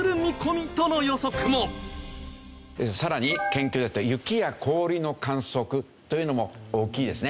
さらに研究だったら雪や氷の観測というのも大きいですね。